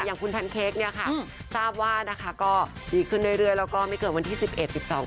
อย่างคุณแพนเค้กเนี่ยค่ะทราบว่านะคะก็ดีขึ้นเรื่อยแล้วก็ไม่เกินวันที่๑๑๑๒